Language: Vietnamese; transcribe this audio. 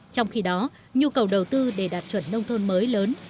trong khi đó nhu cầu đầu tư để đạt chuẩn nông thôn mới lớn